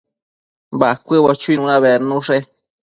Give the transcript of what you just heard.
Bacuëbo chuinu bednushe